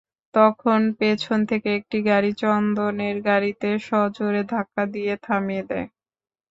তখন পেছন থেকে একটি গাড়ি চন্দনের গাড়িতে সজোরে ধাক্কা দিয়ে থামিয়ে দেয়।